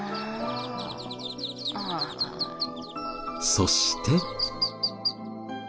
そして。